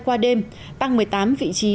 qua đêm tăng một mươi tám vị trí